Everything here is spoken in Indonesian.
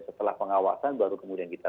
setelah pengawasan baru kemudian kita